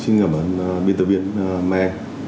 xin cảm ơn biên tập biên men